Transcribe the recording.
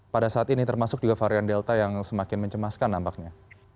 pada saat ini termasuk juga varian delta yang semakin mencemaskan nampaknya